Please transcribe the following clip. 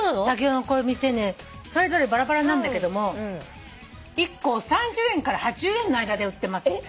先ほどのこの店ねそれぞれバラバラなんだけども１個３０円から８０円の間で売ってます。